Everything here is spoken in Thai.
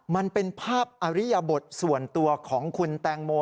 มันเป็นภาพอริยบทส่วนตัวของคุณแตงโม